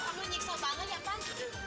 kamu nyiksa banget ya pan